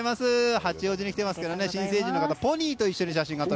八王子に来ていますから新成人の方ポニーと一緒に写真が撮れる。